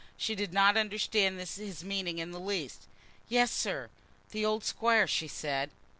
She did not understand his meaning in the least. "Yes, sir; the old Squire," she said.